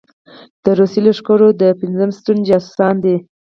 د روسي لښکرو د پېنځم ستون جاسوسان دي.